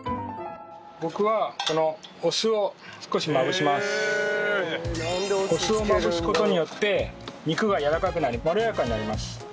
僕はこのお酢をまぶす事によって肉がやわらかくなりまろやかになります。